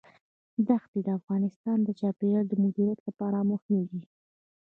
دښتې د افغانستان د چاپیریال د مدیریت لپاره مهم دي.